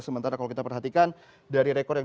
sementara kalau kita perhatikan dari rekor yang